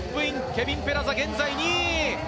ケビン・ペラザ、現在２位。